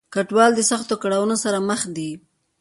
کډوال د سختو کړاونو سره مخ دي.